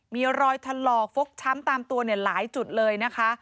มีรอยถลอกฟกช้ำตามตัวหลายจุดเลยนะคะ